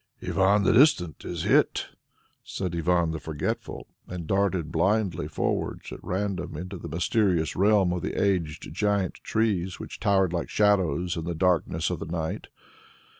"Ivan the Distant is hit," said Ivan the Forgetful, and darted blindly forwards at random into the mysterious realm of the aged giant trees which towered like shadows in the darkness of the night.